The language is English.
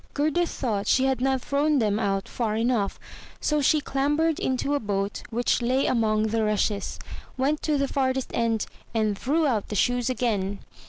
Gerda thought she had not thrown them out far enough, so she clambered into a boat which lay among the rushes, went to the farthest end, and threw out the shoes again.